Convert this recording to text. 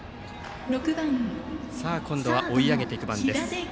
今度は追い上げていく番です。